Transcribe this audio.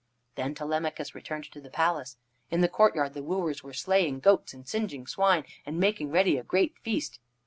Then Telemachus returned to the palace. In the courtyard the wooers were slaying goats and singeing swine and making ready a great feast.